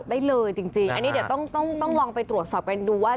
เดี๋ยวต้องลองไปตรวจสอบดูว่า